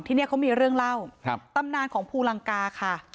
เนี่ยเขามีเรื่องเล่าตำนานของภูลังกาค่ะ